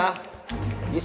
isi yang bener semua